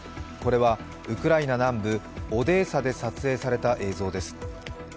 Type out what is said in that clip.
これはウクライナ南部オデーサで撮影された映像です。